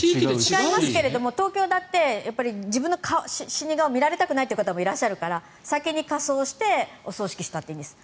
違いますけど東京だって自分の死に顔を見られたくない方もいらっしゃるから先に火葬してお葬式したっていいんです。